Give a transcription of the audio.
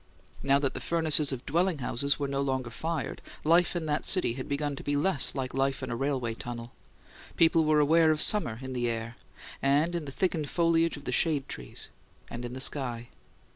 Now that the furnaces of dwelling houses were no longer fired, life in that city had begun to be less like life in a railway tunnel; people were aware of summer in the air, and in the thickened foliage of the shade trees, and in the sky.